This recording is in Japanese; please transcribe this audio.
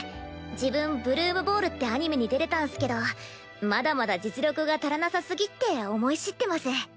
自分「ブルームボール」ってアニメに出れたんすけどまだまだ実力が足らなさすぎって思い知ってます。